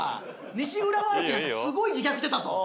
西浦和駅なんかすごい自虐してたぞ。